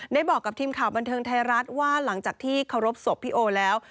บอกกับทีมข่าวบันเทิงไทยรัฐว่าหลังจากที่เคารพศพพี่โอแล้ว